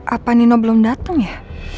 apa nino belum datang ya